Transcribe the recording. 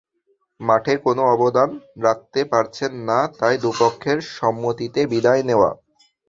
মাঠে কোনো অবদান রাখতে পারছেন না, তাই দুই পক্ষের সম্মতিতে বিদায় নেওয়া।